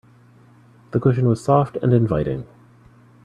The cushion was soft and inviting.